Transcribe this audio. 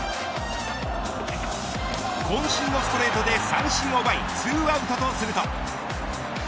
こん身のストレートで三振を奪い２アウトとすると。